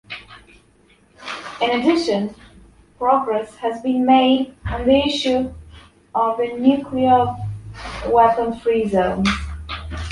In addition, progress has been made on the issue of nuclear-weapon-free zones.